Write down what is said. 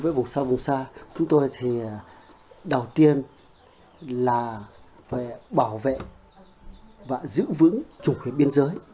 với vùng sâu vùng xa chúng tôi thì đầu tiên là phải bảo vệ và giữ vững chủ quyền biên giới